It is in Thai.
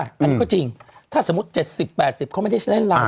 อันนี้ก็จริงถ้าสมมุติ๗๐๘๐เขาไม่ได้ใช้เล่นเรา